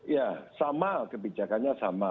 ya sama kebijakannya sama